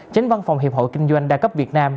chánh văn phòng hiệp hội kinh doanh đa cấp việt nam